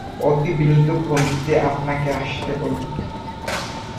অতি বিনীত ভঙ্গিতে আপনাকে আসতে বলি।